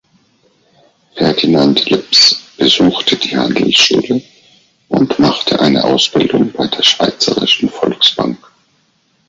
Ferdinand Lips besuchte die Handelsschule und machte eine Ausbildung bei der Schweizerischen Volksbank.